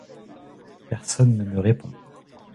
Personne ne me répond.